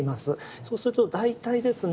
そうすると大体ですね